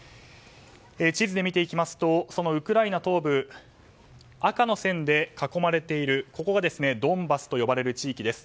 地図で見ていきますとウクライナ東部赤の線で囲まれているところがドンバスと呼ばれる地域です。